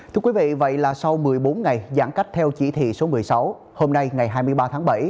thưa quý vị vậy là sau một mươi bốn ngày giãn cách theo chỉ thị số một mươi sáu hôm nay ngày hai mươi ba tháng bảy